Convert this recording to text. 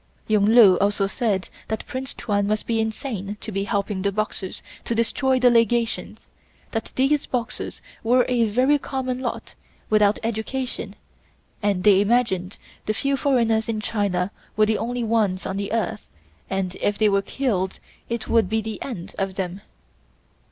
Yung Lu also said that Prince Tuan must be insane to be helping the Boxers to destroy the Legations; that these Boxers were a very common lot, without education, and they imagined the few foreigners in China were the only ones on the earth and if they were killed it would be the end of them.